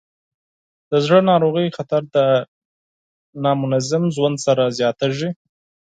د زړه ناروغیو خطر د نامنظم ژوند سره زیاتېږي.